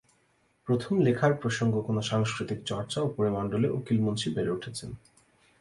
প্রথম লেখার প্রসঙ্গ কোন সাংস্কৃতিক চর্চা ও পরিমণ্ডলে উকিল মুন্সী বেড়ে উঠেছেন।